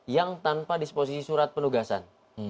yang tanpa disposisi surat penugasan